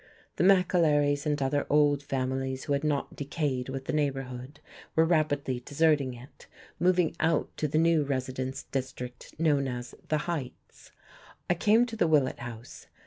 The McAlerys and other older families who had not decayed with the neighbourhood were rapidly deserting it, moving out to the new residence district known as "the Heights." I came to the Willett House.